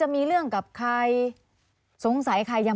พ่อที่รู้ข่าวอยู่บ้าง